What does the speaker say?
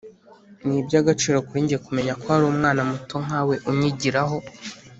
ni iby’agaciro kuri nge kumenya ko hari umwana muto nkawe unyigiraho